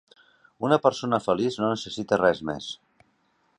Una persona feliç no necessita res més.